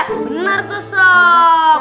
bener tuh sob